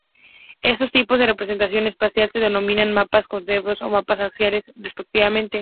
Estos tipos de representación espacial se denominan mapas convexos o mapas axiales, respectivamente.